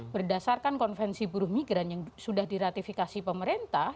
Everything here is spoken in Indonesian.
berdasarkan konvensi buru migran yang sudah di ratifikasi pemerintah